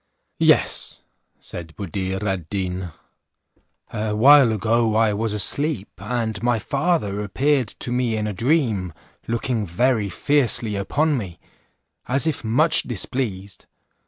"Yes," said Buddir ad Deen, "a while ago I was asleep, and my father appeared to me in a dream, looking very fiercely upon me, as if much displeased.